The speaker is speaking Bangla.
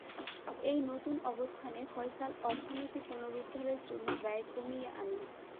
এই নতুন অবস্থানে ফয়সাল অর্থনীতি পুনরুদ্ধারের জন্য ব্যয় কমিয়ে আনেন।